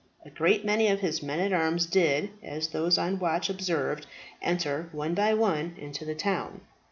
A great many of his men at arms did, as those on the watch observed, enter one by one into the town.